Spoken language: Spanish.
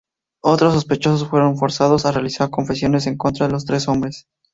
Otros "sospechosos" fueron forzados a realizar confesiones en contra de los tres hombres.